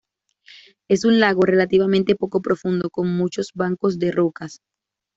Es un lago relativamente poco profundo, con muchos bancos de rocas.